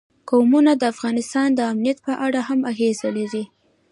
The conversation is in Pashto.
قومونه د افغانستان د امنیت په اړه هم اغېز لري.